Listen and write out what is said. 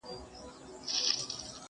زه یې د قبر سر ته ناست یمه پیالې لټوم،